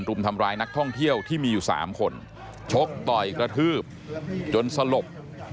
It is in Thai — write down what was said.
รุมทำร้ายนักท่องเที่ยวที่มีอยู่๓คนชกต่อยกระทืบจนสลบ